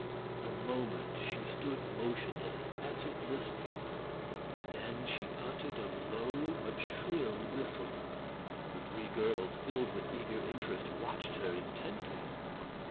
A moment she stood motionless, as if listening. Then she uttered a low but shrill whistle. The three girls, filled with eager interest, watched her intently.